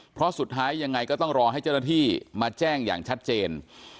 เพราะสุดท้ายยังไงก็ต้องรอให้เจ้าหน้าที่มาแจ้งอย่างชัดเจน